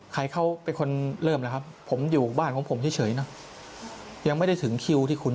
มันไม่ใช่เพราะว่าศาลก็บอกให้ไปรับวันจันทร์